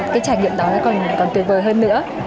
cái trải nghiệm đó còn tuyệt vời hơn nữa